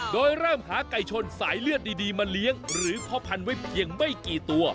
โดยเริ่มหาไก่ชนสายเลือดดีมาเลี้ยงหรือพ่อพันธุ์ไว้เพียงไม่กี่ตัว